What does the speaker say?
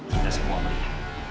kita semua melihat